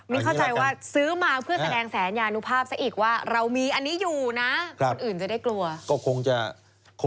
เข้าใจว่าซื้อมาเพื่อแสดงแสนยานุภาพซะอีกว่าเรามีอันนี้อยู่นะคนอื่นจะได้กลัวก็คงจะ